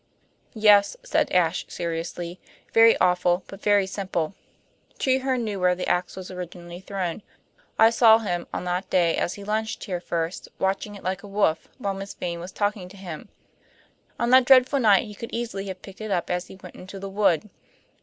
"Yes," said Ashe seriously, "very awful, but very simple. Treherne knew where the ax was originally thrown. I saw him, on that day he lunched here first, watching it like a wolf, while Miss Vane was talking to him. On that dreadful night he could easily have picked it up as he went into the wood.